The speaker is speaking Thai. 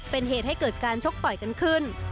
เป็นเหตุให้เกิดการชกต่อยกันขึ้น